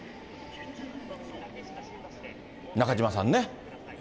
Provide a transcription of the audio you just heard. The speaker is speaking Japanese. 中島さんね？